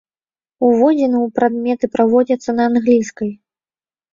Уводзіны ў прадметы праводзяцца на англійскай.